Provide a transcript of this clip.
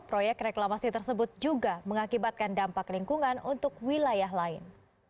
proyek reklamasi tersebut juga mengakibatkan dampak lingkungan untuk wilayah lain